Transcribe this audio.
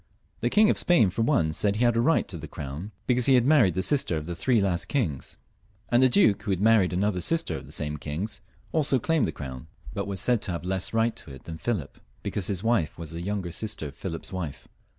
The King of Spain, for one, said he had a right to the crown because he had married the sister of the three last kings; and a duke, who had married another sister of the same kings, also claimed the crown, but was said to have less right to it than Philip, because his wife was the younger sister of Philip's wife.